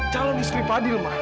calon di sekelip fadil ma